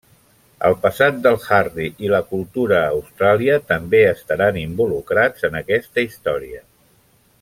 El passat del Harry i la cultura a Austràlia també estaran involucrats en aquesta història.